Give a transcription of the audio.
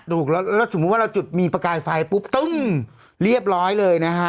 ถูกแล้วแล้วสมมุติว่าเราจุดมีประกายไฟปุ๊บตึ้งเรียบร้อยเลยนะฮะ